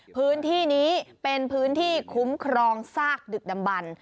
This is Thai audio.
พื้นที่นี้เป็นพื้นที่คุ้มครองซากดึกดำบัน